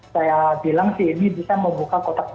saya bilang sih ini bisa membuka kotak kotak